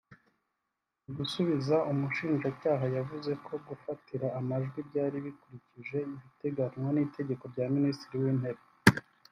Mu gusubiza umushinjacyaha yavuze ko gufatira amajwi byari bikurikije ibiteganywa n’iteka rya Minisitiri w’Intebe